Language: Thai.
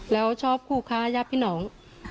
แล้วชอบคู่ค่ายาดพี่น้อง